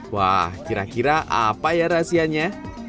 wah kira kira apa ya rahasianya